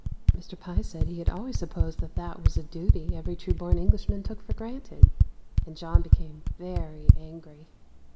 Mr Pye said he had always supposed that that was a duty every true born Englishman took for granted; and John became very angry.